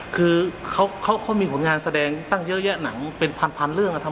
คือเขามีผลงานแสดงตั้งเยอะแยะหนังเป็นพันเรื่องนะครับ